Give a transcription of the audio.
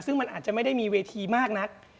ซึ่งมันอาจจะไม่ได้มีเวทีมากนัก